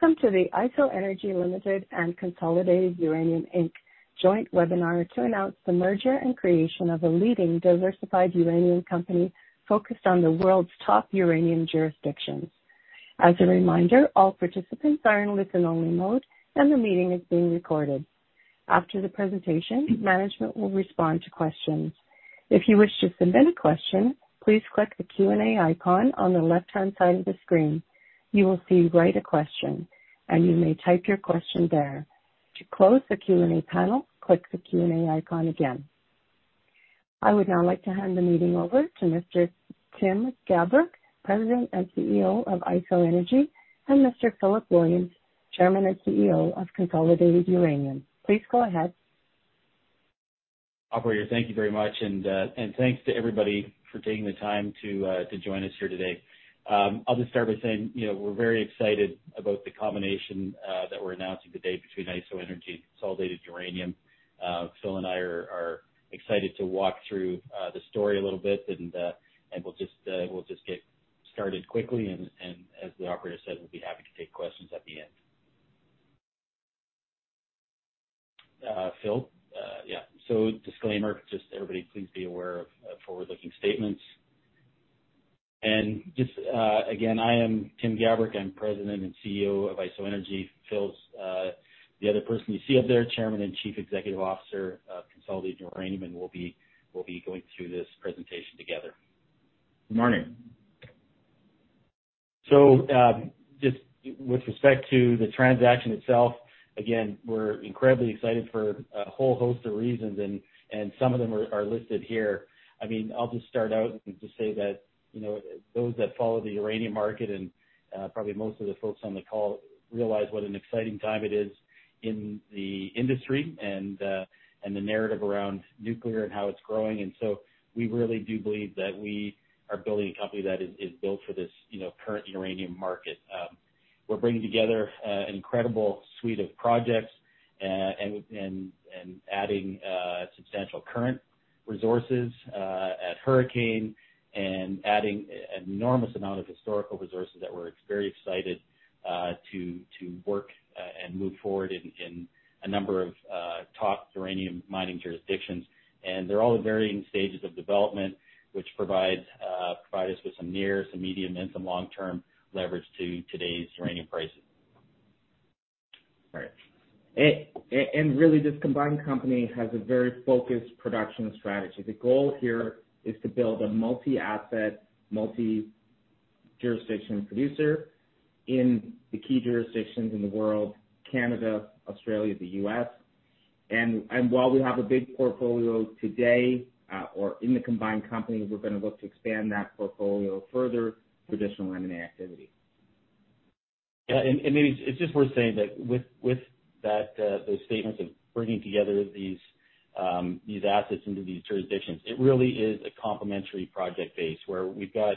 Welcome to the IsoEnergy Ltd. and Consolidated Uranium Inc. joint webinar to announce the merger and creation of a leading diversified uranium company focused on the world's top uranium jurisdictions. As a reminder, all participants are in listen-only mode, and the meeting is being recorded. After the presentation, management will respond to questions. If you wish to submit a question, please click the Q&A icon on the left-hand side of the screen. You will see "Write a Question," and you may type your question there. To close the Q&A panel, click the Q&A icon again. I would now like to hand the meeting over to Mr. Tim Gabruch, President and CEO of IsoEnergy, and Mr. Philip Williams, Chairman and CEO of Consolidated Uranium. Please go ahead. Operator, thank you very much, and thanks to everybody for taking the time to join us here today. I'll just start by saying we're very excited about the combination that we're announcing today between IsoEnergy and Consolidated Uranium. Phil and I are excited to walk through the story a little bit, and we'll just get started quickly, and as the operator said, we'll be happy to take questions at the end. Phil? Yeah. Disclaimer, just everybody please be aware of forward-looking statements. Just, again, I am Tim Gabruch, I'm President and CEO of IsoEnergy. Phil's the other person you see up there, Chairman and Chief Executive Officer of Consolidated Uranium, and we'll be going through this presentation together. Good morning. Just with respect to the transaction itself. Again, we're incredibly excited for a whole host of reasons. Some of them are listed here. I'll just start out and just say that those that follow the uranium market. Probably most of the folks on the call realize what an exciting time it is in the industry and the narrative around nuclear and how it's growing. We really do believe that we are building a company that is built for this current uranium market. We're bringing together an incredible suite of projects and adding substantial current resources at Hurricane and adding an enormous amount of historical resources that we're very excited to work and move forward in a number of top uranium mining jurisdictions. They're all at varying stages of development, which provide us with some near, some medium, and some long-term leverage to today's uranium prices. Right. Really, this combined company has a very focused production strategy. The goal here is to build a multi-asset, multi-jurisdiction producer in the key jurisdictions in the world, Canada, Australia, the U.S. While we have a big portfolio today or in the combined companies, we're going to look to expand that portfolio further through additional M&A activity. Yeah, maybe it's just worth saying that with those statements of bringing together these assets into these jurisdictions, it really is a complementary project base where we've got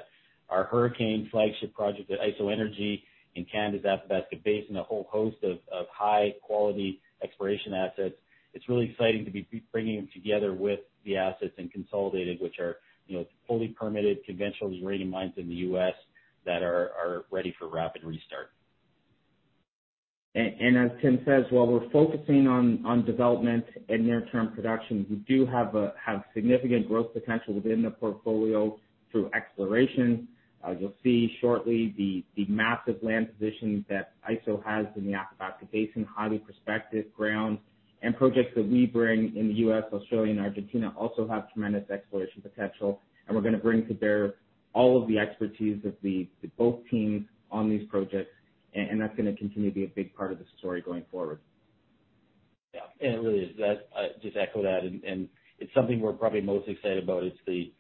our Hurricane flagship project at IsoEnergy in Canada's Athabasca Basin, a whole host of high-quality exploration assets. It's really exciting to be bringing them together with the assets in Consolidated, which are fully permitted conventional uranium mines in the U.S. that are ready for rapid restart. As Tim says, while we're focusing on development and near-term production, we do have significant growth potential within the portfolio through exploration. As you'll see shortly, the massive land positions that Iso has in the Athabasca Basin, highly prospective ground, and projects that we bring in the U.S., Australia, and Argentina also have tremendous exploration potential. We're going to bring to bear all of the expertise of both teams on these projects, and that's going to continue to be a big part of the story going forward. Yeah. It really is. I just echo that, and it's something we're probably most excited about. It's the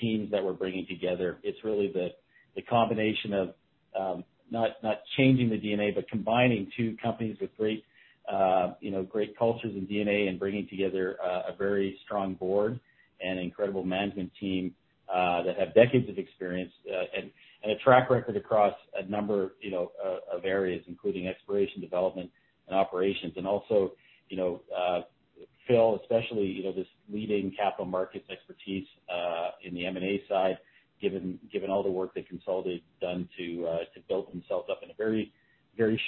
teams that we're bringing together. It's really the combination of not changing the DNA, but combining two companies with great cultures and DNA and bringing together a very strong board and incredible management team that have decades of experience and a track record across a number of areas, including exploration, development, and operations. Also, Phil, especially this leading capital markets expertise in the M&A side, given all the work that Consolidated's done to build themselves up in a very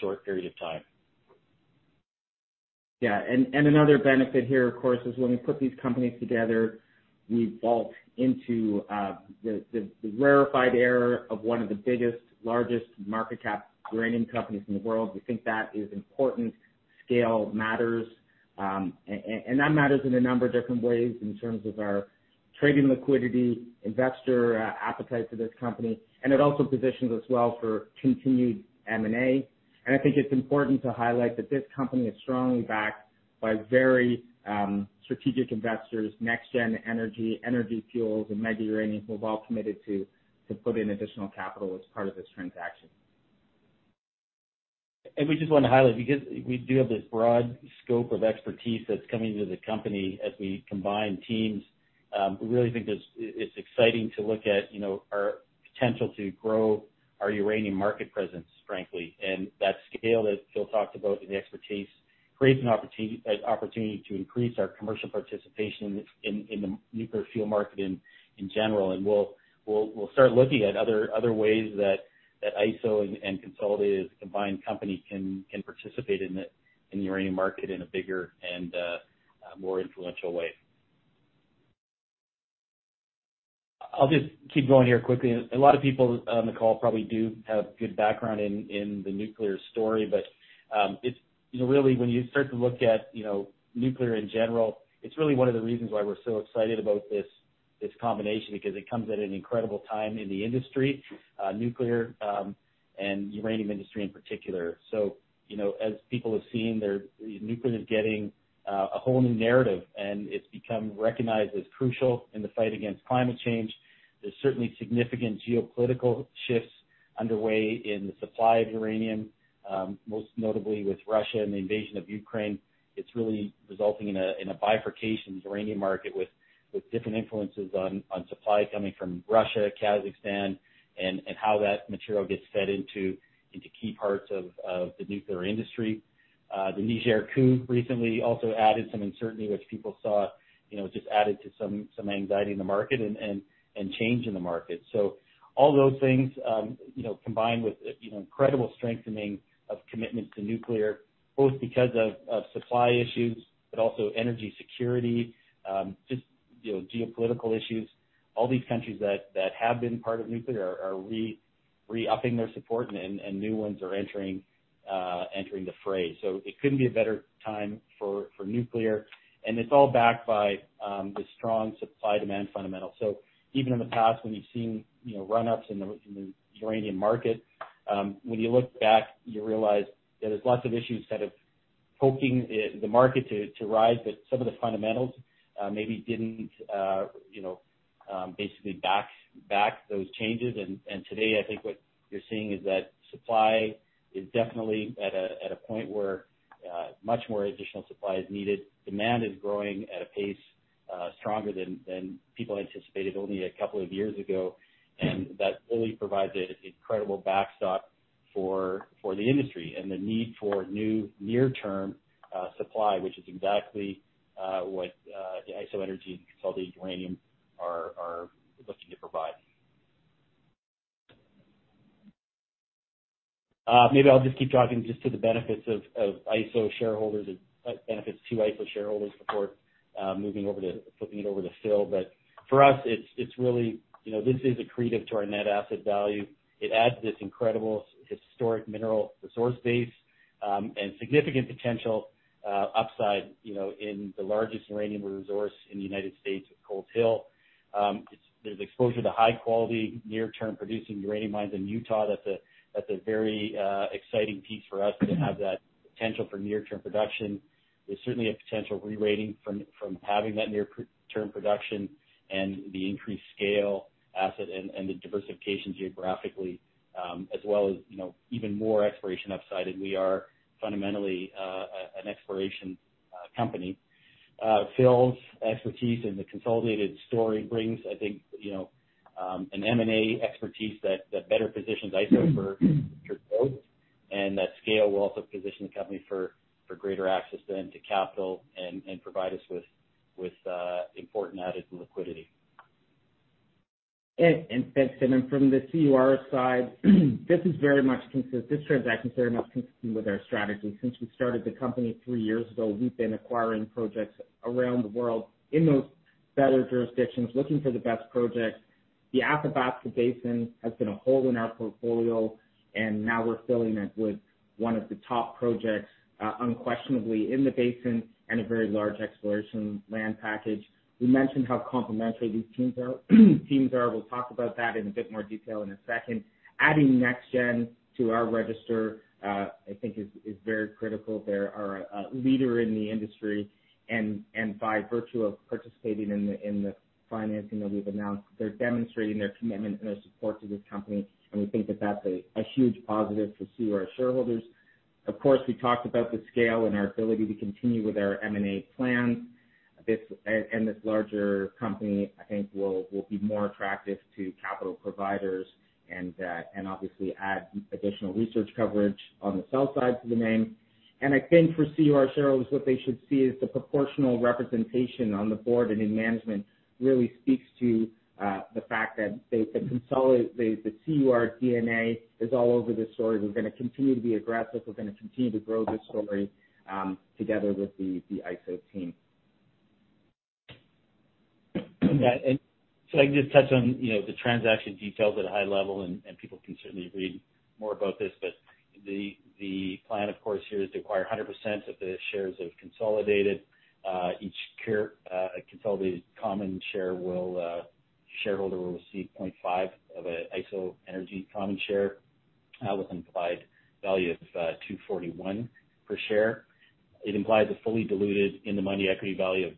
short period of time. Yeah. Another benefit here, of course, is when we put these companies together, we vault into the rarefied air of one of the biggest, largest market cap uranium companies in the world. We think that is important. Scale matters. That matters in a number of different ways in terms of our trading liquidity, investor appetite for this company, and it also positions us well for continued M&A. I think it's important to highlight that this company is strongly backed by very strategic investors, NexGen, Energy Fuels, and Mega Uranium, who have all committed to put in additional capital as part of this transaction. We just want to highlight, because we do have this broad scope of expertise that's coming into the company as we combine teams, we really think it's exciting to look at our potential to grow our uranium market presence, frankly. That scale, as Phil talked about, and the expertise creates an opportunity to increase our commercial participation in the nuclear fuel market in general. We'll start looking at other ways that Iso and Consolidated combined company can participate in the uranium market in a bigger and more influential way. I'll just keep going here quickly. A lot of people on the call probably do have good background in the nuclear story. When you start to look at nuclear in general, it's really one of the reasons why we're so excited about this combination, because it comes at an incredible time in the industry, nuclear and uranium industry in particular. As people have seen, nuclear is getting a whole new narrative, and it's become recognized as crucial in the fight against climate change. There's certainly significant geopolitical shifts underway in the supply of uranium, most notably with Russia and the invasion of Ukraine. It's really resulting in a bifurcation in the uranium market with different influences on supply coming from Russia, Kazakhstan, and how that material gets fed into key parts of the nuclear industry. The Niger coup recently also added some uncertainty, which people saw just added to some anxiety in the market and change in the market. All those things, combined with incredible strengthening of commitment to nuclear, both because of supply issues but also energy security, just geopolitical issues, all these countries that have been part of nuclear are re-upping their support and new ones are entering the fray. It couldn't be a better time for nuclear, and it's all backed by the strong supply-demand fundamentals. Even in the past when you've seen run-ups in the uranium market, when you look back, you realize there's lots of issues that have pushed the market to rise, but some of the fundamentals maybe didn't basically back those changes. Today, I think what you're seeing is that supply is definitely at a point where much more additional supply is needed. Demand is growing at a pace stronger than people anticipated only a couple of years ago, and that really provides an incredible backstop for the industry and the need for new near-term supply, which is exactly what the IsoEnergy and Consolidated Uranium are looking to provide. Maybe I'll just keep talking just to the benefits to Iso shareholders before flipping it over to Phil. For us, this is accretive to our net asset value. It adds this incredible historic mineral resource base, and significant potential upside in the largest uranium resource in the United States with Coles Hill. There's exposure to high-quality near-term producing uranium mines in Utah. That's a very exciting piece for us to have that potential for near-term production. There's certainly a potential re-rating from having that near-term production and the increased scale asset and the diversification geographically, as well as even more exploration upside. We are fundamentally an exploration company. Phil's expertise in the Consolidated story brings, I think, an M&A expertise that better positions Iso for future growth. That scale will also position the company for greater access then to capital and provide us with important added liquidity. Thanks, Tim. From the CUR side, this transaction is very much consistent with our strategy. Since we started the company three years ago, we've been acquiring projects around the world in those better jurisdictions, looking for the best projects. The Athabasca Basin has been a hole in our portfolio, and now we're filling it with one of the top projects unquestionably in the basin and a very large exploration land package. We mentioned how complementary these teams are. We'll talk about that in a bit more detail in a second. Adding NexGen to our register, I think is very critical. They are a leader in the industry, and by virtue of participating in the financing that we've announced, they're demonstrating their commitment and their support to this company, and we think that that's a huge positive for CUR shareholders. We talked about the scale and our ability to continue with our M&A plans. This larger company, I think will be more attractive to capital providers and obviously add additional research coverage on the sell side to the name. I think for CUR shareholders, what they should see is the proportional representation on the board and in management really speaks to the fact that the CUR DNA is all over this story. We're going to continue to be aggressive. We're going to continue to grow this story, together with the Iso team. I can just touch on the transaction details at a high level. People can certainly read more about this. The plan, of course, here is to acquire 100% of the shares of Consolidated. Each Consolidated common shareholder will receive 0.5 of an IsoEnergy common share with an implied value of 2.41 per share. It implies a fully diluted in-the-money equity value of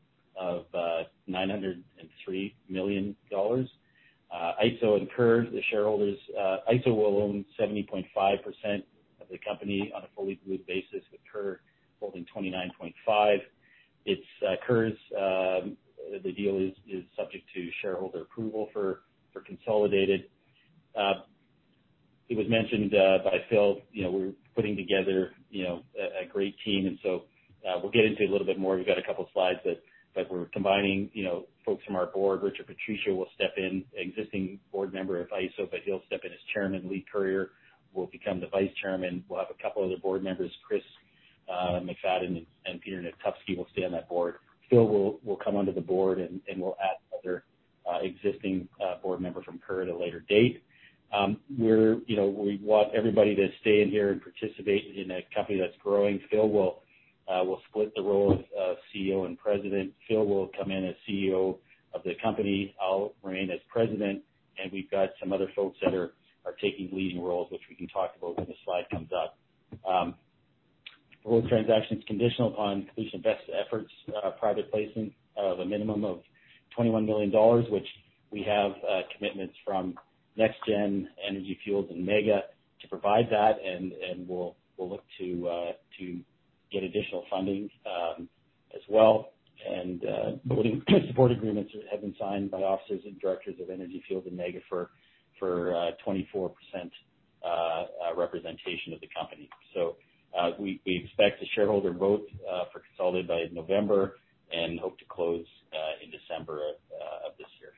903 million dollars. Iso will own 70.5% of the company on a fully diluted basis, with CUR holding 29.5%. The deal is subject to shareholder approval for Consolidated. It was mentioned by Phil. We're putting together a great team. We'll get into it a little bit more. We've got a couple of slides. We're combining folks from our board. Richard Patricio will step in, existing board member of Iso. He'll step in as Chairman. Leigh Curyer will become the Vice-Chairman. We'll have a couple other board members, Chris McFadden and Peter Netupsky will stay on that board. Phil will come onto the board, and we'll add other existing board member from Curyer at a later date. We want everybody to stay in here and participate in a company that's growing. Phil will split the role of CEO and President. Phil will come in as CEO of the company. I'll remain as President, we've got some other folks that are taking leading roles, which we can talk about when the slide comes up. The full transaction's conditional upon completion of best efforts, private placement of a minimum of 21 million dollars, which we have commitments from NexGen, Energy Fuels, and Mega to provide that, we'll look to get additional funding as well. Voting support agreements have been signed by officers and directors of Energy Fuels and Mega for 24% representation of the company. We expect a shareholder vote for Consolidated by November and hope to close in December of this year.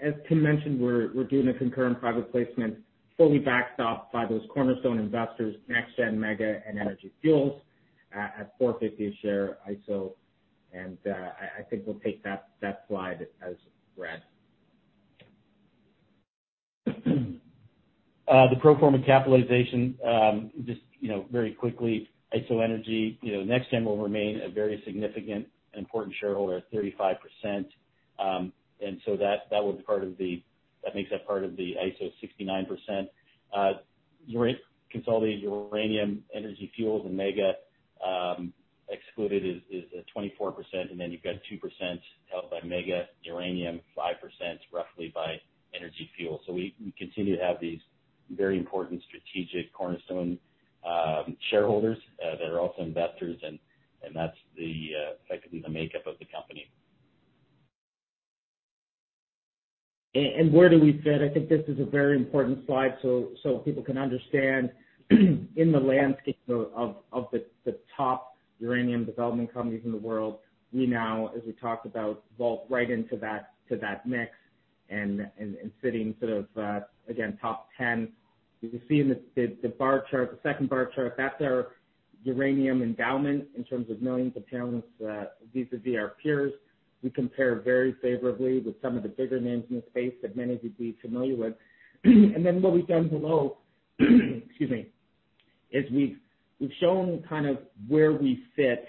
As Tim mentioned, we're doing a concurrent private placement fully backed up by those cornerstone investors, NexGen, Mega, and Energy Fuels, at 4.50 a share Iso. I think we'll take that slide as read. The pro forma capitalization, just very quickly, IsoEnergy, NexGen will remain a very significant and important shareholder at 35%. That makes up part of the Iso 69%. Consolidated Uranium, Energy Fuels, and Mega excluded is at 24%, and then you've got 2% held by Mega Uranium, 5% roughly by Energy Fuels. We continue to have these very important strategic cornerstone shareholders. They're also investors, and that's effectively the makeup of the company. Where do we fit? I think this is a very important slide so people can understand in the landscape of the top uranium development companies in the world. We now, as we talked about, vault right into that mix and sitting sort of, again, top 10. As you see in the bar chart, the second bar chart, that's our uranium endowment in terms of millions of pounds vis-a-vis our peers. We compare very favorably with some of the bigger names in the space that many of you would be familiar with. Then what we've done below, excuse me, is we've shown kind of where we fit,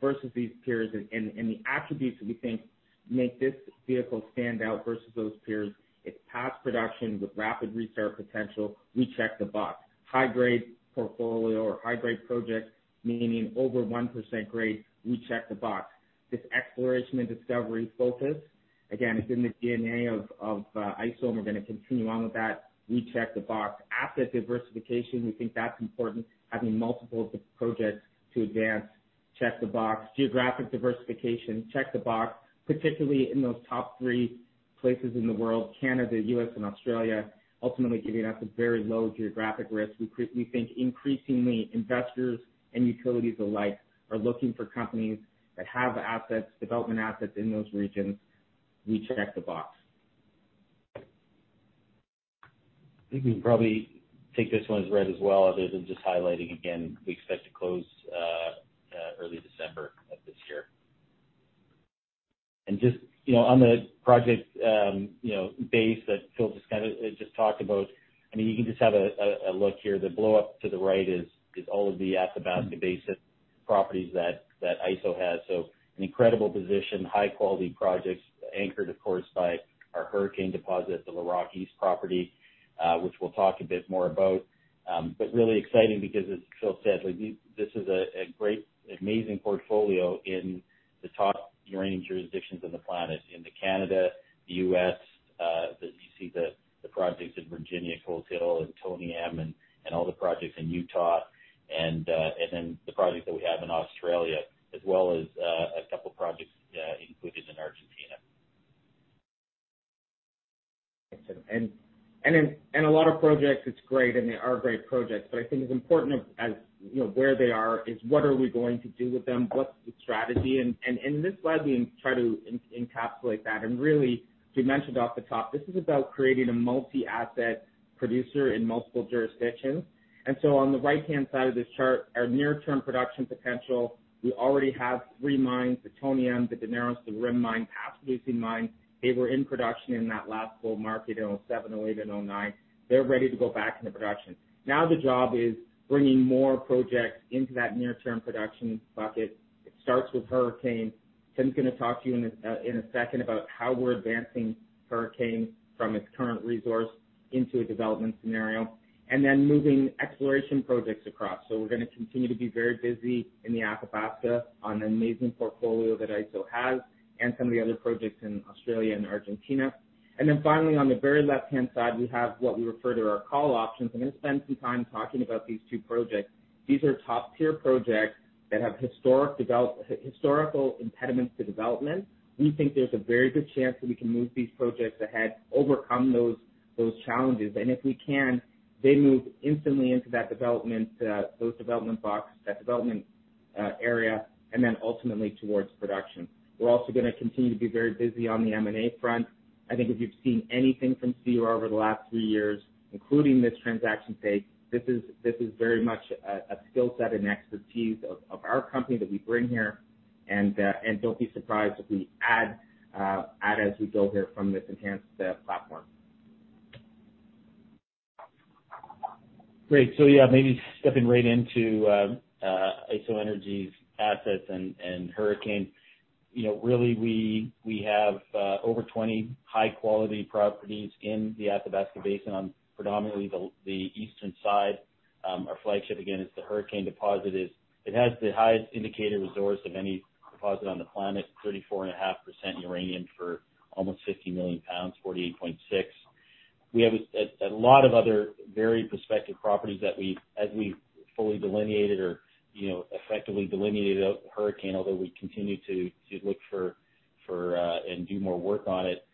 versus these peers and the attributes that we think make this vehicle stand out versus those peers. It's past production with rapid restart potential. We check the box. High-grade portfolio or high-grade projects, meaning over 1% grade, we check the box. This exploration and discovery focus, again, it's in the DNA of Iso, and we're going to continue on with that. We check the box. Asset diversification, we think that's important, having multiple projects to advance, check the box. Geographic diversification, check the box, particularly in those top three places in the world, Canada, U.S., and Australia, ultimately giving us a very low geographic risk. We think increasingly investors and utilities alike are looking for companies that have development assets in those regions. We check the box. I think we can probably take this one as read as well, other than just highlighting again, we expect to close early December of this year. Just on the project base that Phil just talked about, you can just have a look here. The blow-up to the right is all of the Athabasca Basin properties that Iso has. An incredible position, high-quality projects anchored, of course, by our Hurricane deposit, the Larocque East property, which we'll talk a bit more about. Really exciting because as Phil said, this is a great, amazing portfolio in the top uranium jurisdictions on the planet. In Canada, the U.S., you see the projects in Virginia, Coles Hill, and Tony M, and all the projects in Utah. The projects that we have in Australia, as well as a couple of projects included in Argentina. A lot of projects, it's great, and they are great projects, but I think as important as where they are is what are we going to do with them? What's the strategy? In this slide, we try to encapsulate that. Really, we mentioned off the top, this is about creating a multi-asset producer in multiple jurisdictions. On the right-hand side of this chart, our near-term production potential, we already have three mines, the Tony M, the Daneros, the Rim Mine, past producing mines. They were in production in that last gold market in 2007, 2008, and 2009. They're ready to go back into production. Now the job is bringing more projects into that near-term production bucket. It starts with Hurricane. Tim's going to talk to you in a second about how we're advancing Hurricane from its current resource into a development scenario and then moving exploration projects across. We're going to continue to be very busy in the Athabasca on an amazing portfolio that Iso has and some of the other projects in Australia and Argentina. Finally, on the very left-hand side, we have what we refer to our call options. I'm going to spend some time talking about these two projects. These are top-tier projects that have historical impediments to development. We think there's a very good chance that we can move these projects ahead, overcome those challenges, and if we can, they move instantly into that development area, and then ultimately towards production. We're also going to continue to be very busy on the M&A front. I think if you've seen anything from CEO over the last three years, including this transaction today, this is very much a skill set and expertise of our company that we bring here. Don't be surprised if we add as we go here from this enhanced platform. Great. Yeah, maybe stepping right into IsoEnergy's assets and Hurricane. Really, we have over 20 high-quality properties in the Athabasca Basin on predominantly the eastern side. Our flagship, again, is the Hurricane deposit. It has the highest indicated resource of any deposit on the planet, 34.5% uranium for almost 50 million pounds, 48.6. We have a lot of other very prospective properties that as we've fully delineated or effectively delineated out Hurricane, although we continue to look for and do more work on it.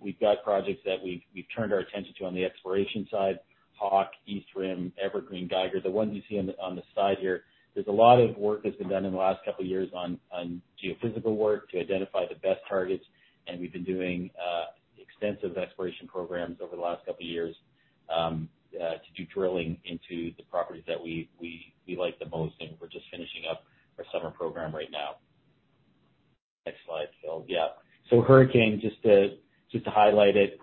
We've got projects that we've turned our attention to on the exploration side, Hawk, East Rim, Evergreen, Geiger, the ones you see on the side here. There's a lot of work that's been done in the last couple of years on geophysical work to identify the best targets. We've been doing extensive exploration programs over the last couple of years to do drilling into the properties that we like the most, and we're just finishing up our summer program right now. Next slide, Phil. Yeah. Hurricane, just to highlight it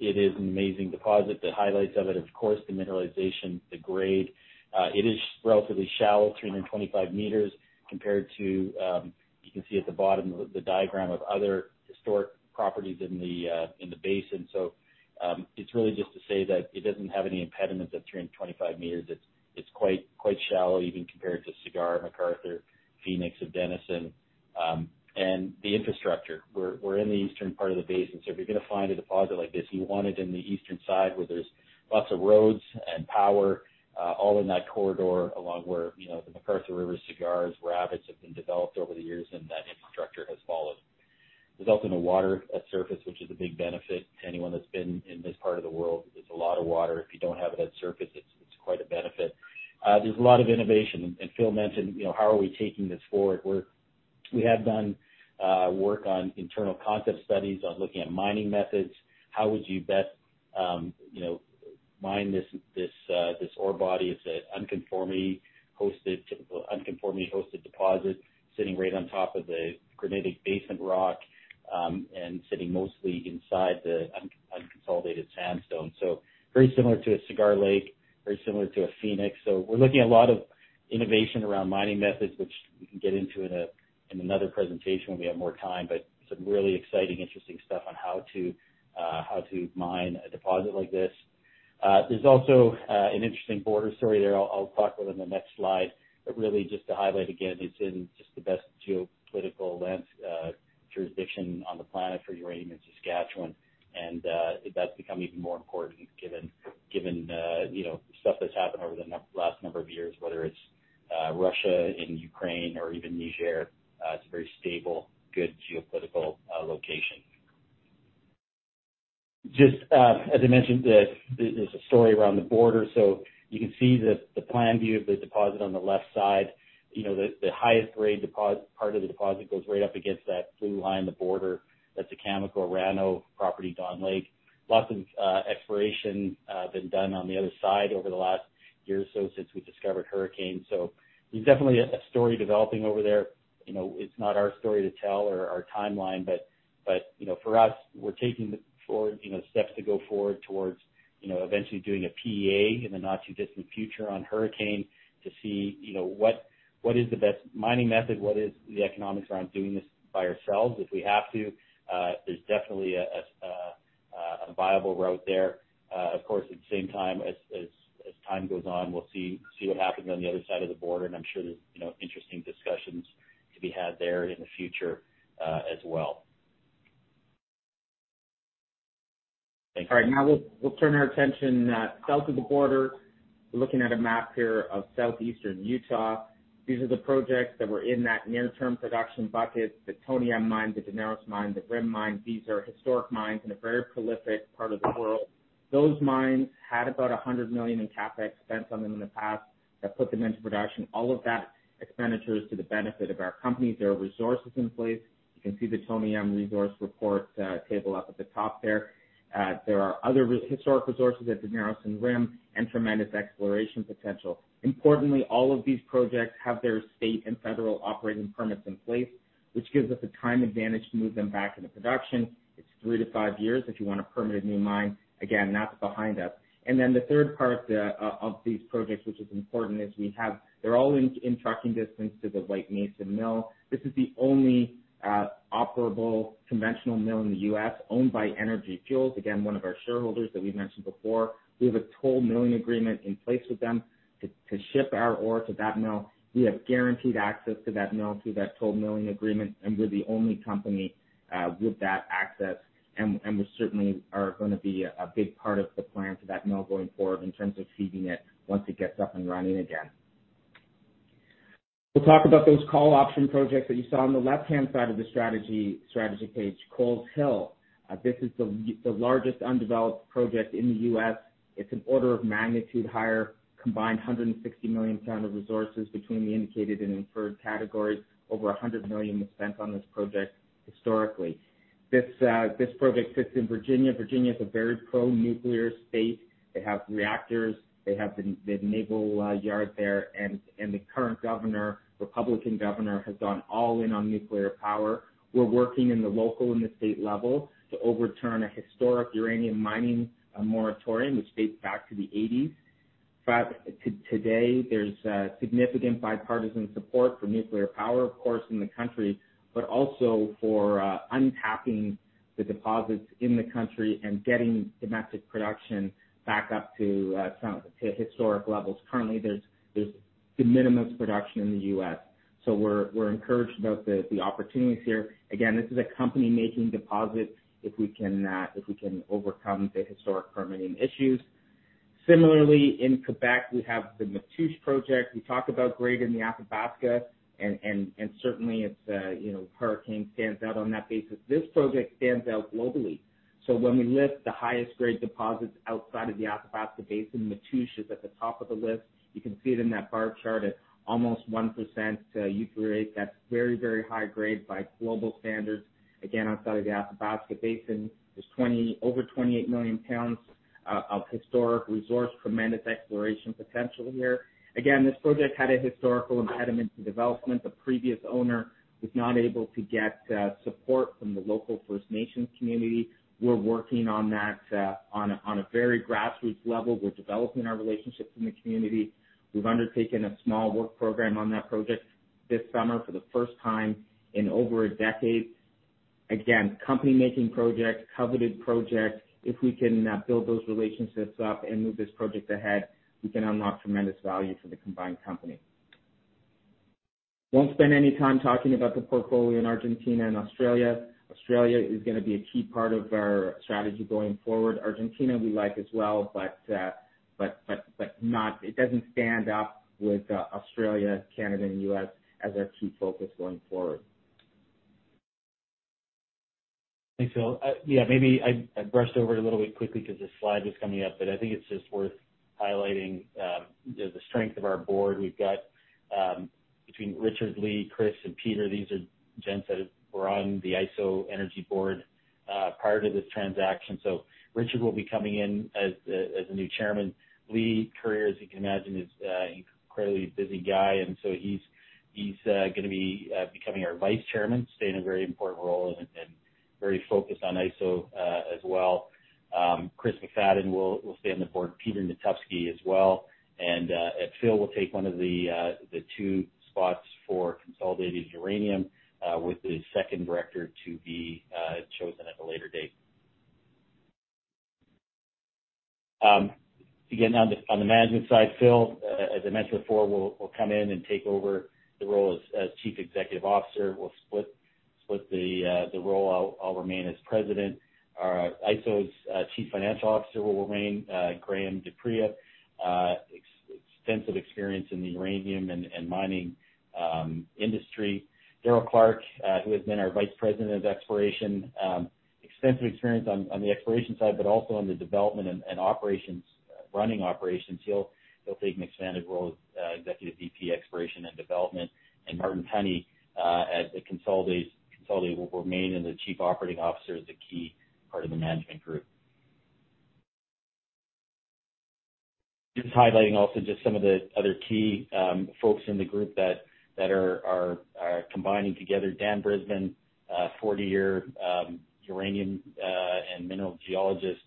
is an amazing deposit. The highlights of it, of course, the mineralization, the grade. It is relatively shallow, 325 meters, compared to, you can see at the bottom, the diagram of other historic properties in the basin. It's really just to say that it doesn't have any impediments at 325 meters. It's quite shallow, even compared to Cigar, McArthur, Phoenix, and Denison. The infrastructure. We're in the eastern part of the basin. If you're going to find a deposit like this, you want it in the eastern side where there's lots of roads and power, all in that corridor along where the McArthur River, Cigars, Rabbits have been developed over the years, and that infrastructure has followed. There's also no water at surface, which is a big benefit to anyone that's been in this part of the world. There's a lot of water. If you don't have it at surface, it's quite a benefit. There's a lot of innovation. Phil mentioned, how are we taking this forward? We have done work on internal concept studies on looking at mining methods. How would you best mine this ore body? It's an unconformity-hosted deposit sitting right on top of the granitic basement rock, and sitting mostly inside the unconsolidated sandstone. Very similar to a Cigar Lake, very similar to a Phoenix. We're looking at a lot of innovation around mining methods, which we can get into in another presentation when we have more time. Some really exciting, interesting stuff on how to mine a deposit like this. There's also an interesting border story there I'll talk about in the next slide, but really just to highlight again, it's in just the best geopolitical lens jurisdiction on the planet for uranium in Saskatchewan, and that's become even more important given stuff that's happened over the last number of years, whether it's Russia and Ukraine or even Niger. It's a very stable, good geopolitical location. Just as I mentioned, there's a story around the border. You can see the plan view of the deposit on the left side. The highest grade part of the deposit goes right up against that blue line, the border. That's a Cameco/Orano property, Dawn Lake. Lots of exploration been done on the other side over the last year or so since we discovered Hurricane. There's definitely a story developing over there. It's not our story to tell or our timeline, but for us, we're taking the steps to go forward towards eventually doing a PEA in the not-too-distant future on Hurricane to see what is the best mining method, what is the economics around doing this by ourselves if we have to. There's definitely a viable route there. Of course, at the same time, as time goes on, we'll see what happens on the other side of the border, and I'm sure there's interesting discussions to be had there in the future as well. All right. We'll turn our attention south of the border. We're looking at a map here of southeastern Utah. These are the projects that were in that near-term production bucket, the Tony M mine, the Daneros mine, the Rim mine. These are historic mines in a very prolific part of the world. Those mines had about 100 million in CapEx spent on them in the past that put them into production. All of that expenditure is to the benefit of our company. There are resources in place. You can see the Tony M resource report table up at the top there. There are other historic resources at Daneros and Rim and tremendous exploration potential. Importantly, all of these projects have their state and federal operating permits in place, which gives us a time advantage to move them back into production. It's three to five years if you want a permitted new mine. That's behind us. The third part of these projects, which is important, is they're all in trucking distance to the White Mesa Mill. This is the only operable conventional mill in the U.S. owned by Energy Fuels, again, one of our shareholders that we've mentioned before. We have a toll milling agreement in place with them to ship our ore to that mill. We have guaranteed access to that mill through that toll milling agreement, and we're the only company with that access, and we certainly are going to be a big part of the plan for that mill going forward in terms of feeding it once it gets up and running again. We'll talk about those call option projects that you saw on the left-hand side of the strategy page. Coles Hill, this is the largest undeveloped project in the U.S. It's an order of magnitude higher, combined 160 million pounds of resources between the Indicated and Inferred categories. Over 100 million was spent on this project historically. This project sits in Virginia. Virginia is a very pro-nuclear state. They have reactors, they have the naval yard there, the current Republican governor has gone all in on nuclear power. We're working in the local and the state level to overturn a historic uranium mining moratorium, which dates back to the '80s. Today, there's significant bipartisan support for nuclear power, of course, in the country, but also for untapping the deposits in the country and getting domestic production back up to historic levels. Currently, there's de minimis production in the U.S. We're encouraged about the opportunities here. This is a company making deposits if we can overcome the historic permitting issues. In Quebec, we have the Matoush project. We talk about grade in the Athabasca, certainly Hurricane stands out on that basis. This project stands out globally. When we list the highest grade deposits outside of the Athabasca Basin, Matoush is at the top of the list. You can see it in that bar chart at almost 1% U3O8 rate. That's very high grade by global standards. Outside of the Athabasca Basin, there's over 28 million pounds of historic resource, tremendous exploration potential here. This project had a historical impediment to development. The previous owner was not able to get support from the local First Nations community. We're working on that on a very grassroots level. We're developing our relationships in the community. We've undertaken a small work program on that project this summer for the first time in over a decade. Again, company making project, coveted project. If we can build those relationships up and move this project ahead, we can unlock tremendous value for the combined company. Won't spend any time talking about the portfolio in Argentina and Australia. Australia is going to be a key part of our strategy going forward. Argentina we like as well, but it doesn't stand up with Australia, Canada, and U.S. as our key focus going forward. Thanks, Phil. Yeah, maybe I brushed over it a little bit quickly because the slide was coming up, but I think it's just worth highlighting the strength of our board. We've got, between Richard, Leigh, Chris, and Peter, these are gents that were on the IsoEnergy board prior to this transaction. Richard will be coming in as the new chairman. Leigh Curyer, as you can imagine, is an incredibly busy guy, and so he's going to be becoming our vice chairman, staying a very important role and very focused on Iso as well. Chris McFadden will stay on the board, Peter Netupsky as well. Phil will take one of the two spots for Consolidated Uranium, with the second director to be chosen at a later date. Again, on the management side, Phil, as I mentioned before, will come in and take over the role as chief executive officer. We'll split the role. I'll remain as President. Our Iso's Chief Financial Officer will remain, Graham du Preez, extensive experience in the uranium and mining industry. Darryl Clark, who has been our Vice President of Exploration, extensive experience on the exploration side, but also on the development and operations, running operations. He'll take an expanded role as Executive Vice President, Exploration and Development. Marty Tunney at Consolidated Uranium will remain as the Chief Operating Officer as a key part of the management group. Highlighting also some of the other key folks in the group that are combining together. Dan Brisbin, 40-year uranium and mineral geologist.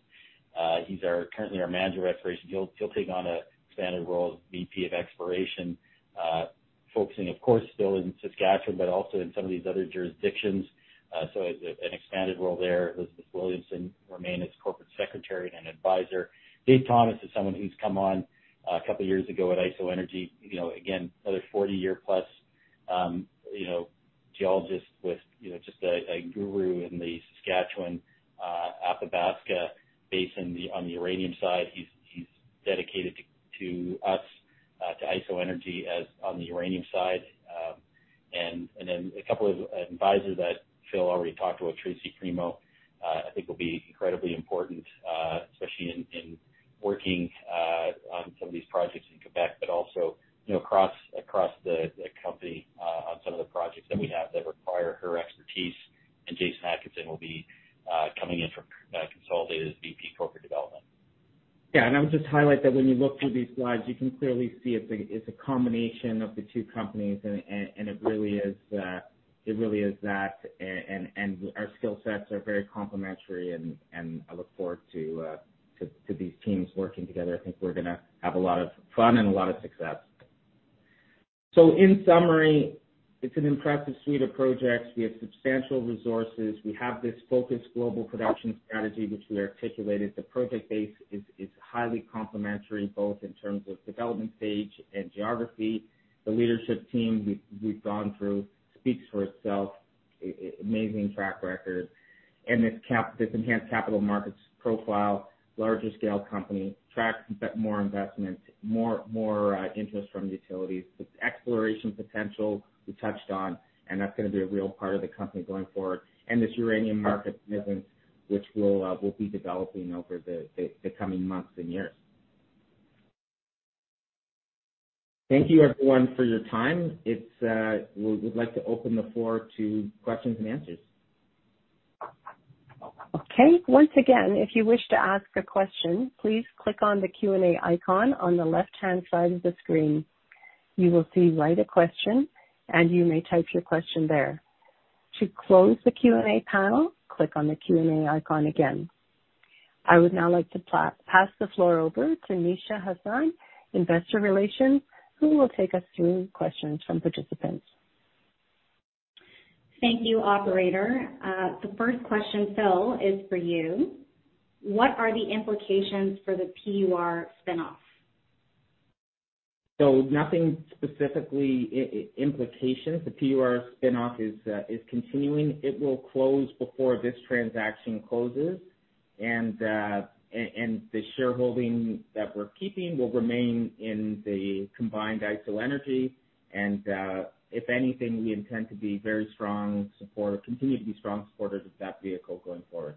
He's currently our Manager of Exploration. He'll take on an expanded role as Vice President of Exploration, focusing, of course, still in Saskatchewan, but also in some of these other jurisdictions. An expanded role there. Elizabeth Williamson remain as Corporate Secretary and Advisor. Dave Thomas is someone who's come on a couple of years ago at IsoEnergy. Another 40-year plus geologist with, just a guru in the Saskatchewan Athabasca Basin on the uranium side. He's dedicated to us, to IsoEnergy as on the uranium side. A couple of advisors that Phil already talked about, Tracy Primeau, I think will be incredibly important, especially in working on some of these projects in Quebec, but also across the company on some of the projects that we have that require her expertise. Jason Atkinson will be coming in from Consolidated as VP Corporate Development. Yeah, I would just highlight that when you look through these slides, you can clearly see it's a combination of the two companies. It really is that. Our skill sets are very complementary. I look forward to these teams working together. I think we're going to have a lot of fun and a lot of success. In summary, it's an impressive suite of projects. We have substantial resources. We have this focused global production strategy, which we articulated. The project base is highly complementary, both in terms of development stage and geography. The leadership team we've gone through speaks for itself. Amazing track record. This enhanced capital markets profile, larger scale company, attract more investments, more interest from utilities. The exploration potential we touched on. That's going to be a real part of the company going forward. This uranium market movement, which we'll be developing over the coming months and years. Thank you everyone for your time. We would like to open the floor to questions and answers. Okay. Once again, if you wish to ask a question, please click on the Q&A icon on the left-hand side of the screen. You will see "Write a question," and you may type your question there. To close the Q&A panel, click on the Q&A icon again. I would now like to pass the floor over to Nisha Hasan, investor relations, who will take us through questions from participants. Thank you, operator. The first question, Phil, is for you. What are the implications for the PUR spinoff? Nothing specifically implications. The PUR spinoff is continuing. It will close before this transaction closes, and the shareholding that we're keeping will remain in the combined IsoEnergy, and if anything, we intend to continue to be strong supporters of that vehicle going forward.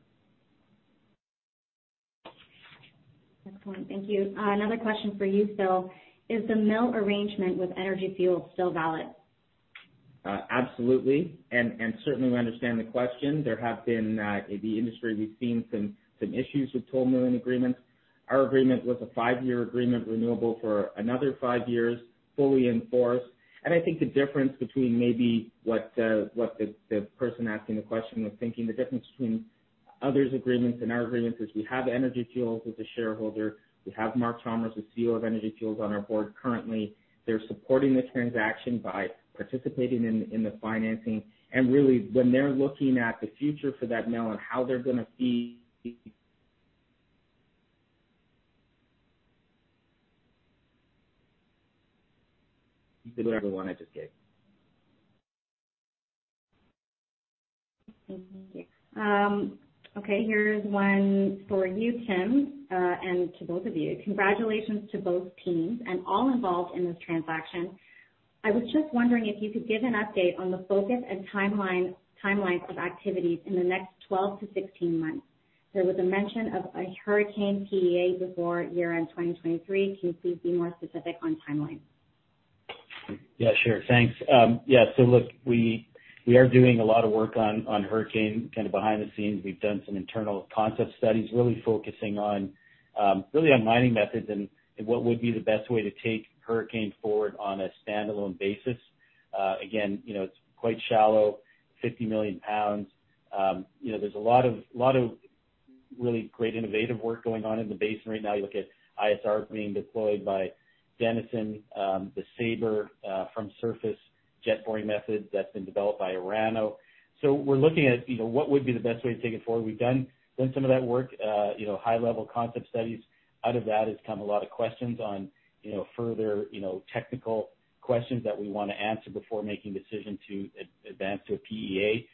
Excellent. Thank you. Another question for you, Phil. Is the mill arrangement with Energy Fuels still valid? Absolutely. Certainly we understand the question. In the industry, we've seen some issues with toll milling agreements. Our agreement was a 5-year agreement, renewable for another 5 years, fully in force. I think the difference between maybe what the person asking the question was thinking, the difference between others' agreements and our agreements is we have Energy Fuels as a shareholder. We have Mark Chalmers, the CEO of Energy Fuels, on our board currently. They're supporting the transaction by participating in the financing. Really, when they're looking at the future for that mill and how they're going to feed. You can do whatever you want, I just gave. Thank you. Okay, here's one for you, Tim, and to both of you. Congratulations to both teams and all involved in this transaction. I was just wondering if you could give an update on the focus and timelines of activities in the next 12 to 16 months. There was a mention of a Hurricane PEA before year-end 2023. Can you please be more specific on timelines? Yeah, sure. Thanks. Yeah, look, we are doing a lot of work on Hurricane kind of behind the scenes. We've done some internal concept studies, really focusing on mining methods and what would be the best way to take Hurricane forward on a standalone basis. Again, it's quite shallow, 50 million pounds. There's a lot of really great innovative work going on in the basin right now. You look at ISRs being deployed by Denison, the SABRE from surface jet boring methods that's been developed by Orano. We're looking at what would be the best way to take it forward. We've done some of that work, high-level concept studies. Out of that has come a lot of questions on further technical questions that we want to answer before making a decision to advance to a PEA.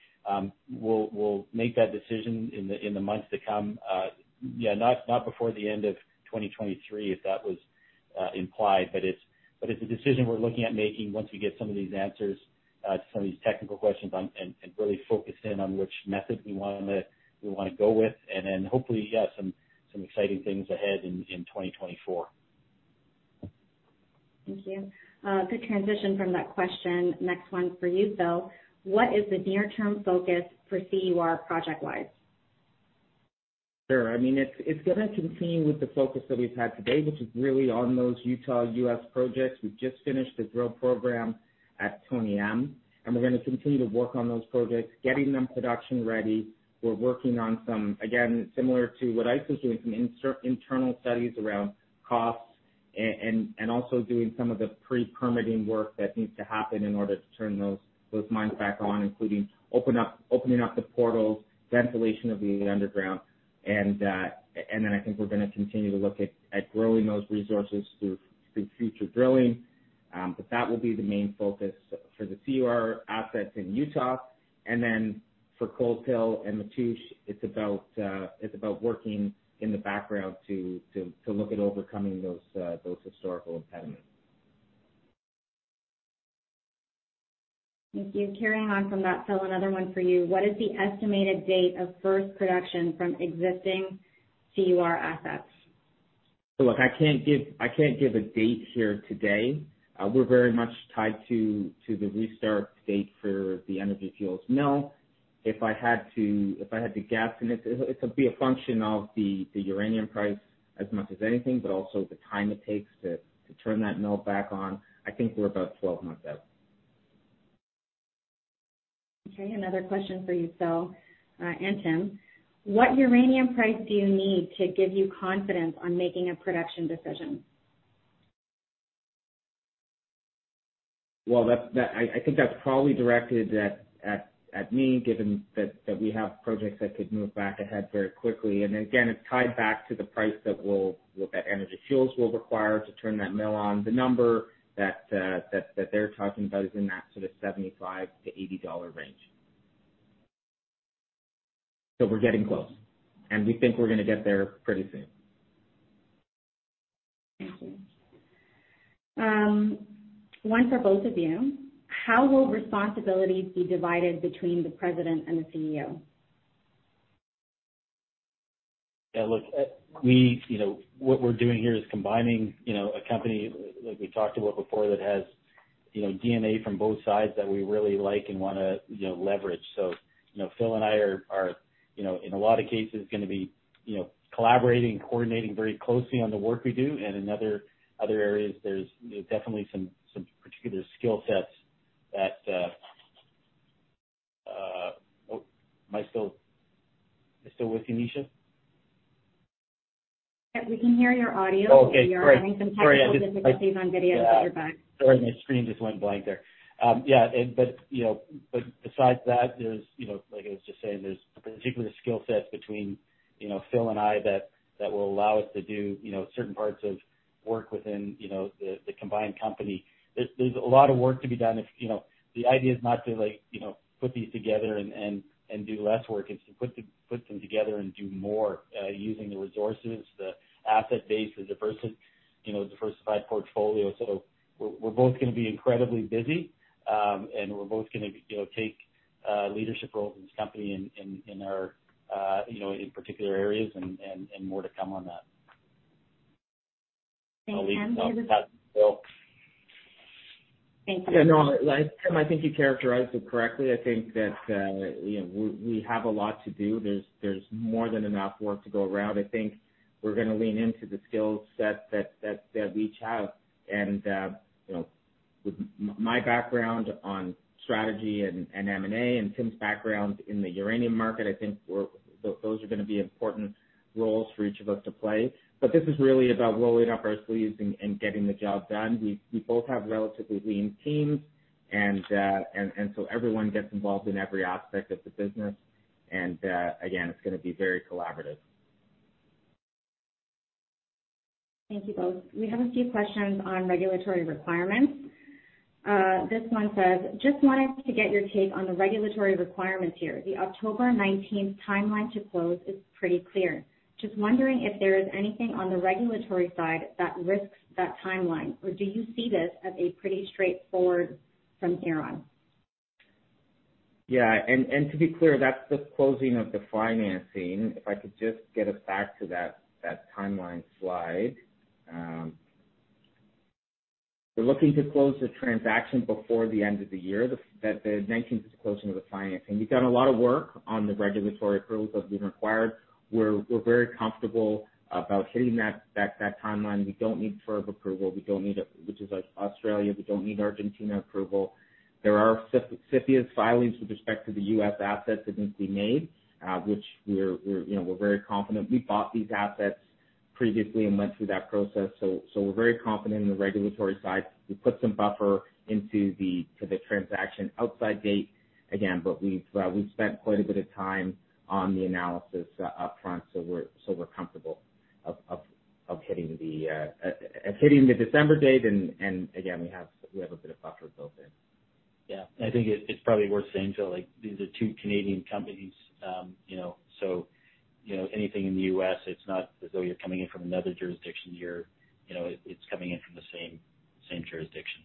We'll make that decision in the months to come. Yeah, not before the end of 2023, if that was implied. It's a decision we're looking at making once we get some of these answers to some of these technical questions and really focus in on which method we want to go with. Hopefully, yeah, some exciting things ahead in 2024. Thank you. Good transition from that question. Next one's for you, Phil. What is the near-term focus for CUR project-wise? Sure. It's going to continue with the focus that we've had today, which is really on those Utah U.S. projects. We've just finished the drill program at Tony M, and we're going to continue to work on those projects, getting them production ready. We're working on some, again, similar to what Iso's doing, some internal studies around costs and also doing some of the pre-permitting work that needs to happen in order to turn those mines back on, including opening up the portals, ventilation of the underground, and then I think we're going to continue to look at growing those resources through future drilling. That will be the main focus for the CUR assets in Utah. For Coles Hill and Matoush, it's about working in the background to look at overcoming those historical impediments. Thank you. Carrying on from that, Phil, another one for you. What is the estimated date of first production from existing CUR assets? look, I can't give a date here today. We're very much tied to the restart date for the Energy Fuels mill. If I had to guesstimate, it'll be a function of the uranium price as much as anything, but also the time it takes to turn that mill back on. I think we're about 12 months out. Another question for you, Phil and Tim. What uranium price do you need to give you confidence on making a production decision? Well, I think that's probably directed at me, given that we have projects that could move back ahead very quickly. Again, it's tied back to the price that Energy Fuels will require to turn that mill on. The number that they're talking about is in that sort of $75-$80 range. We're getting close, and we think we're going to get there pretty soon. Thank you. One for both of you. How will responsibilities be divided between the President and the CEO? Yeah, look, what we're doing here is combining a company, like we talked about before, that has DNA from both sides that we really like and want to leverage. Phil and I are, in a lot of cases, going to be collaborating and coordinating very closely on the work we do. In other areas, there's definitely some particular skill sets that Am I still with you, Nisha? Yeah, we can hear your audio. Oh, okay, great. We are having some technical difficulties on video, but you're back. Sorry, my screen just went blank there. Besides that, like I was just saying, there's particular skill sets between Phil and I that will allow us to do certain parts of work within the combined company. There's a lot of work to be done. The idea is not to put these together and do less work. It's to put them together and do more, using the resources, the asset base, the diversified portfolio. We're both going to be incredibly busy, and we're both going to take leadership roles in this company in particular areas and more to come on that. Thanks. I'll leave some of that to Phil. Thanks. Yeah, no, Tim, I think you characterized it correctly. I think that we have a lot to do. There's more than enough work to go around. I think we're going to lean into the skill sets that we each have. With my background on strategy and M&A and Tim's background in the uranium market, I think those are going to be important roles for each of us to play. This is really about rolling up our sleeves and getting the job done. We both have relatively lean teams, and so everyone gets involved in every aspect of the business. Again, it's going to be very collaborative. Thank you both. We have a few questions on regulatory requirements. This one says, "Just wanted to get your take on the regulatory requirements here. The October 19th timeline to close is pretty clear. Just wondering if there is anything on the regulatory side that risks that timeline, or do you see this as a pretty straightforward from here on? Yeah. To be clear, that's the closing of the financing. If I could just get us back to that timeline slide. We're looking to close the transaction before the end of the year. The 19th is the closing of the financing. We've done a lot of work on the regulatory approvals that we've required. We're very comfortable about hitting that timeline. We don't need further approval, which is Australia. We don't need Argentina approval. There are CFIUS filings with respect to the U.S. assets that need to be made, which we're very confident. We bought these assets previously and went through that process. We're very confident in the regulatory side. We put some buffer into the transaction outside date, again, we've spent quite a bit of time on the analysis up front. We're comfortable of hitting the December date. Again, we have a bit of buffer built in. Yeah. I think it's probably worth saying, too, these are two Canadian companies. Anything in the U.S., it's not as though you're coming in from another jurisdiction. It's coming in from the same jurisdiction.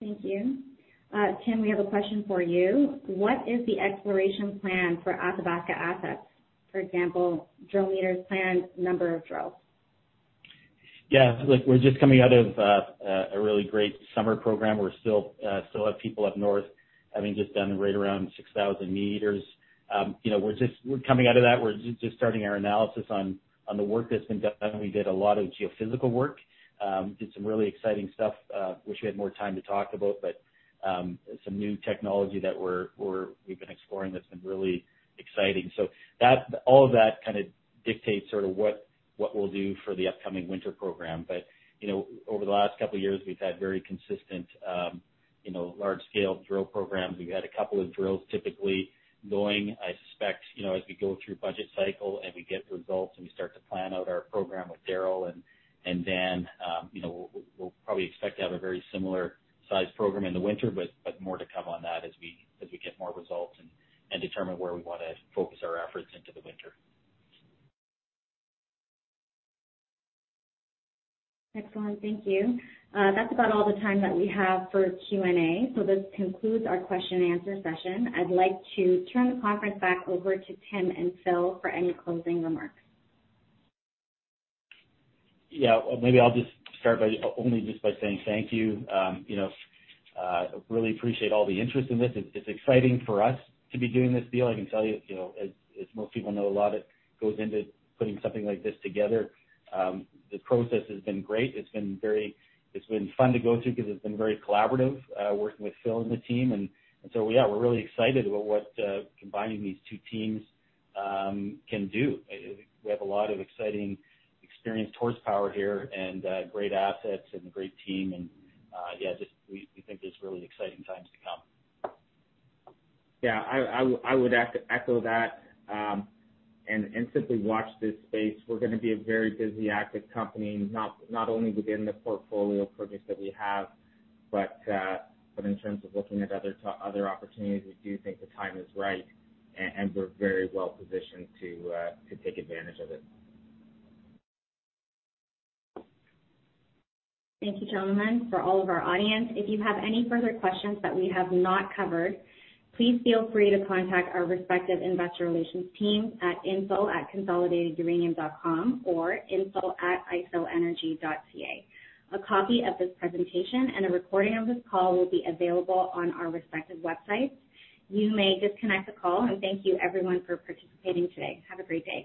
Thank you. Tim, we have a question for you. What is the exploration plan for Athabasca assets? For example, drill meters planned, number of drills. Yeah, look, we're just coming out of a really great summer program. We still have people up north having just done right around 6,000 meters. We're coming out of that. We're just starting our analysis on the work that's been done. We did a lot of geophysical work. We did some really exciting stuff, wish we had more time to talk about, but some new technology that we've been exploring that's been really exciting. All of that kind of dictates sort of what we'll do for the upcoming winter program. Over the last couple of years, we've had very consistent large-scale drill programs. We've had a couple of drills typically going. I suspect, as we go through budget cycle and we get results and we start to plan out our program with Darryl and Dan, we'll probably expect to have a very similar size program in the winter, but more to come on that as we get more results and determine where we want to focus our efforts into the winter. Excellent. Thank you. That's about all the time that we have for Q&A. This concludes our question and answer session. I'd like to turn the conference back over to Tim and Phil for any closing remarks. Yeah. Maybe I'll just start by only just by saying thank you. Really appreciate all the interest in this. It's exciting for us to be doing this deal. I can tell you, as most people know, a lot goes into putting something like this together. The process has been great. It's been fun to go through because it's been very collaborative, working with Phil and the team. Yeah, we're really excited about what combining these two teams can do. We have a lot of exciting experience, horsepower here, and great assets and a great team, and yeah, we think there's really exciting times to come. Yeah, I would echo that and simply watch this space. We're going to be a very busy, active company, not only within the portfolio of projects that we have, but in terms of looking at other opportunities. We do think the time is right, and we're very well positioned to take advantage of it. Thank you, gentlemen. For all of our audience, if you have any further questions that we have not covered, please feel free to contact our respective investor relations teams at info@consolidateduranium.com or info@isoenergy.ca. A copy of this presentation and a recording of this call will be available on our respective websites. You may disconnect the call, and thank you everyone for participating today. Have a great day.